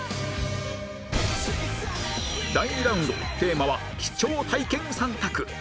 第２ラウンドテーマは貴重体験３択